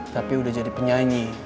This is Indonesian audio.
tapi udah jadi penyanyi